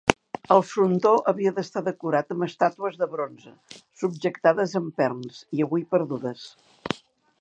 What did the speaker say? El frontó havia d'estar decorat amb estàtues de bronze, subjectades amb perns, i avui perdudes.